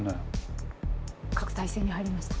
書く体勢に入りました。